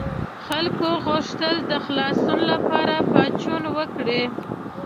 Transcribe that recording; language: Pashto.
خلکو غوښتل د خلاصون لپاره پاڅون وکړي.